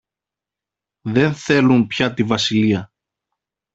Δε θέλουν πια τη βασιλεία.